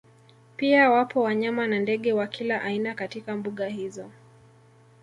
Pia wapo wanyama na ndege wa kila aina katika mbuga hizo